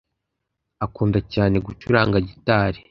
Akunda cyane gucuranga gitari.